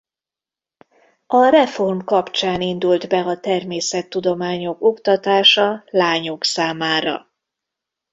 A reform kapcsán indult be a természettudományok oktatása lányok számára.